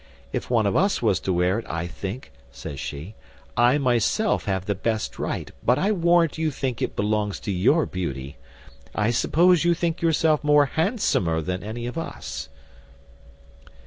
If one of us was to wear it, I think," says she, "I myself have the best right; but I warrant you think it belongs to your beauty. I suppose you think yourself more handsomer than any of us."